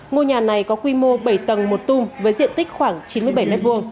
ngôi nhà này có quy mô bảy tầng một tung với diện tích khoảng chín mươi bảy m hai